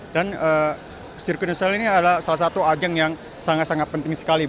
dan sirkuit nasional ini adalah salah satu ageng yang sangat sangat penting sekali